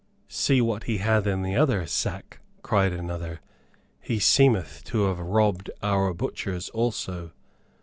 "See what he hath in the other sack," cried another. "He seemeth to have robbed our butchers also."